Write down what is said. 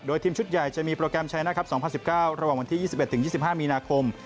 ทีมชุดใหญ่จะมีโปรแกรมชัยนะครับ๒๐๑๙ระหว่างวันที่๒๑๒๕มีนาคม